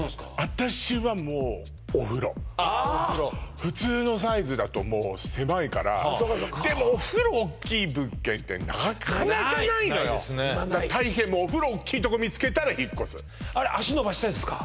私はもうお風呂ああ普通のサイズだともう狭いからでもお風呂大きい物件ってなかなかないのよ大変もうお風呂大きいとこ見つけたら引っ越すあれ脚伸ばしたいですか？